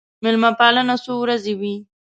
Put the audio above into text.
مېلمه پالنه څو ورځې وي.